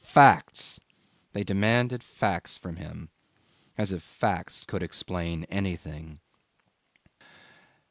Facts! They demanded facts from him, as if facts could explain anything!